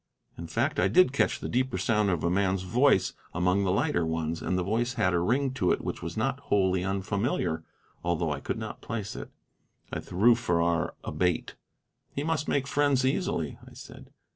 In fact, I did catch the deeper sound of a man's voice among the lighter tones, and the voice had a ring to it which was not wholly unfamiliar, although I could not place it. I threw Farrar a bait. "He must make friends easily," I said.